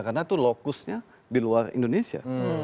karena itu lokusnya di luar indonesia